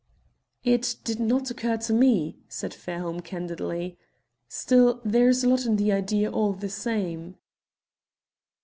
"It did not occur to me," said Fairholme candidly. "Still, there is a lot in the idea all the same."